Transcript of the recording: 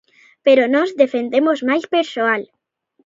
Pero nós defendemos máis persoal.